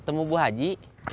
aku nunggu di sini aja